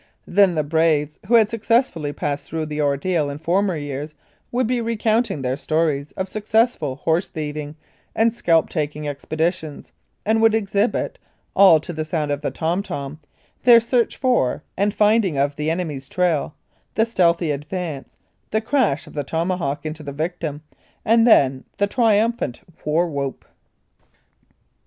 Then the "braves" who had successfully passed through the ordeal in former years would be re counting their stones of successful horse thieving and scalp taking expeditions, and would exhibit, all to the sound of the tom tom, their search for and finding of the enemy's trail, the stealthy advance, the crash of the tomahawk into the victim, and then the triumphant war whoop.